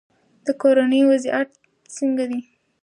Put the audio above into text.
د کورنۍ وضعیت څنګه دی؟